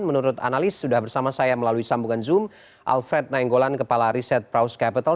menurut analis sudah bersama saya melalui sambungan zoom alfred nainggolan kepala riset praus capital